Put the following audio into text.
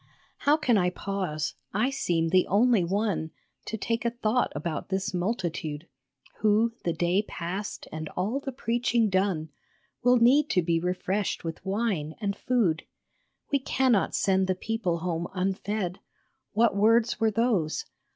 How can I pause ? I seem the only one To take a thought about this multitude Who, the day past and all the preaching done, Will need to be refreshed with wine and food ; We cannot send the people home unfed What words were those?